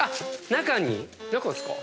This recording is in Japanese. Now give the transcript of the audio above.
中に中ですか？